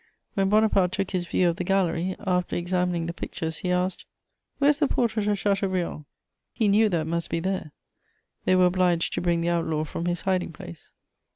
When Bonaparte took his view of the gallery, after examining the pictures, he asked: "Where is the portrait of Chateaubriand?" He knew that it must be there: they were obliged to bring the outlaw from his hiding place.